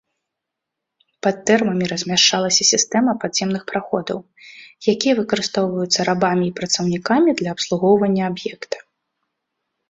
Пад тэрмамі размяшчалася сістэма падземных праходаў, якія выкарыстоўваюцца рабамі і працаўнікамі для абслугоўвання аб'екта.